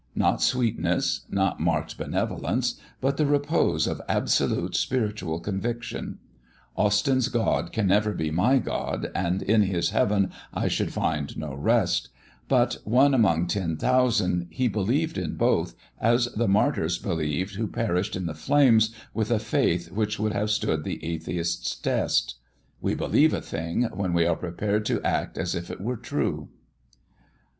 Not sweetness, not marked benevolence, but the repose of absolute spiritual conviction. Austyn's God can never be my God, and in his heaven I should find no rest; but, one among ten thousand, he believed in both, as the martyrs believed who perished in the flames, with a faith which would have stood the atheist's test; "We believe a thing, when we are prepared to act as if it were true."